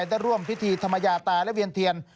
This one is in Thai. ได้ร่วมพิธีธรรมยาตาและเวียนเทียน